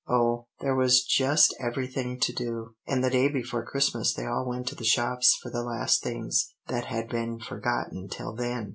Oh, there was just everything to do; and the day before Christmas they all went to the shops for the last things that had been forgotten till then.